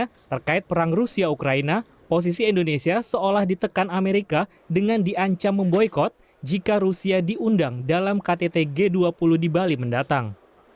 karena terkait perang rusia ukraina posisi indonesia seolah ditekan amerika dengan diancam memboykot jika rusia diundang dalam ktt g dua puluh di bali mendatang